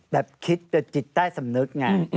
แบบคิดแต่จิตใต้สำนึกไง